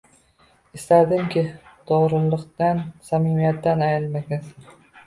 Istardimki, to'g'riliqdan, samimiyatdan ayrilmagaysan.